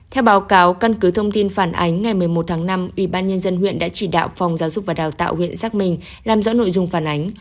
theo báo cáo căn cứ thông tin phản ánh ngày một mươi một tháng năm ủy ban nhân dân huyện đã chỉ đạo phòng giáo dục và đào tạo huyện xác minh làm rõ nội dung phản ánh